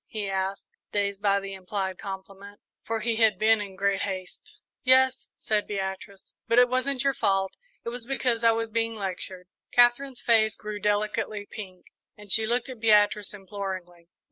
he asked, dazed by the implied compliment, for he had been in great haste. "Yes," said Beatrice; "but it wasn't your fault. It was because I was being lectured." Katherine's face grew delicately pink, and she looked at Beatrice imploringly.